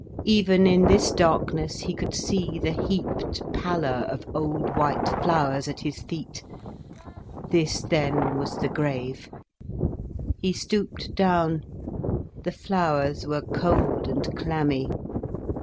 Even in this darkness he could see the heaped pallor of old white flowers at his feet. This then was the grave. He stooped down. The flowers were cold and clammy.